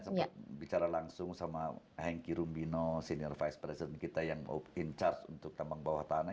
sempat bicara langsung sama henky rumbino senior vice president kita yang mau in charge untuk tambang bawah tanah